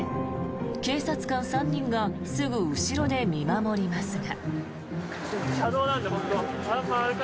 警察官３人がすぐ後ろで見守りますが。